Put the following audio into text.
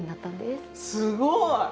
すごい！